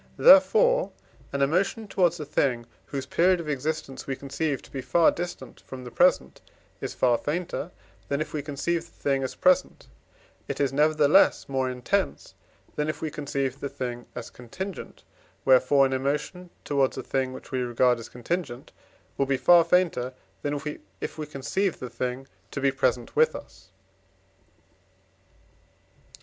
Therefore an emotion towards a thing, whose period of existence we conceive to be far distant from the present, is far fainter, than if we conceive the thing as present; it is, nevertheless, more intense, than if we conceived the thing as contingent, wherefore an emotion towards a thing, which we regard as contingent, will be far fainter, than if we conceived the thing to be present with us.